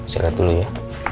saya lihat dulu ya